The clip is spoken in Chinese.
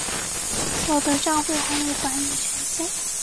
我的帐户还有管理权限